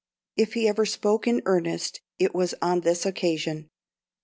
If he ever spoke in earnest it was on this occasion.